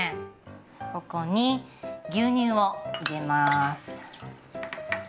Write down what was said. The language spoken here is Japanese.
ここに牛乳を入れます。